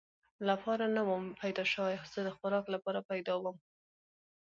لپاره نه ووم پیدا شوی، زه د خوراک لپاره پیدا شوی ووم.